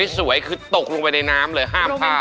สวยคือตกลงไปในน้ำเลยห้ามพลาด